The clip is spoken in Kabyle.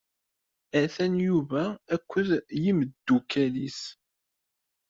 Atan Yuba akked imeddukal-is.